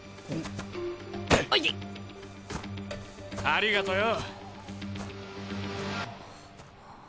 ありがとよ。